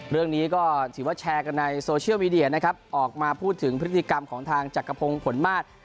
เรื่องนี้ก็ถือว่าแชร์กันในโซเชียลมีเดียนะครับออกมาพูดถึงพฤติกรรมของทางจักรพงศ์ผลมาศ